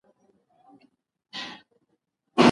اوږده ډوډۍ ماڼۍ ته وړل سوې وه.